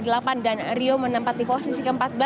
dan rio menempati posisi ke empat belas